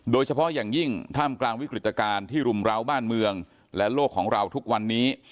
โดยเฉพาะอย่างยิ่งท่ามกลางวิกฤตการณ์ที่รุมร้าวบ้านเมืองและโลกของเราทุกวันนี้